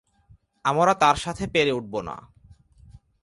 আমরা তার সাথে পেরে উঠবো না।